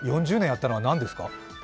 ４０年やったのは何ですか？